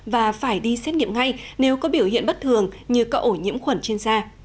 và phải đi xét nghiệm ngay nếu có biểu hiện bất thường như cậu ổ nhiễm khuẩn trên da